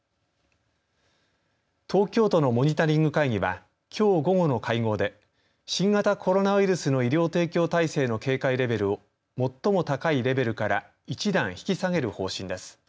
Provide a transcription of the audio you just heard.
東京都のモニタリング会議はきょう午後の会合で新型コロナウイルスの医療提供体制の警戒レベルを最も高いレベルから一段引き下げる方針です。